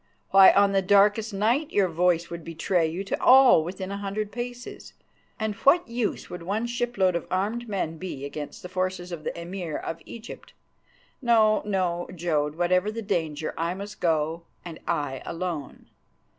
Why, on the darkest night your voice would betray you to all within a hundred paces. And what use would one shipload of armed men be against the forces of the Emir of Egypt? No, no, Jodd, whatever the danger I must go and I alone.